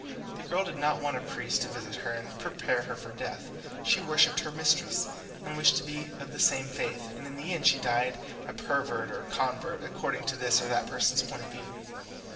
The girl did not want a priest to visit her and prepare her for death; she worshipped her mistress, and wished to be of the same faith, and in the end she died a pervert or convert, according to this or that person's point of view.